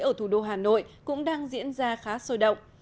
ở thủ đô hà nội cũng đang diễn ra khá sôi động